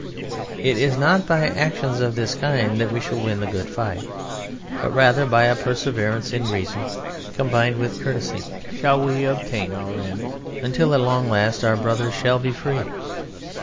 It is not by actions of this kind that we shall win the good fight; but rather by a perseverance in reason combined with courtesy shall we attain our end, until at long last our Brother shall be free!